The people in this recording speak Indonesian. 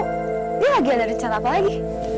tau dia lagi ada rencana apa lagi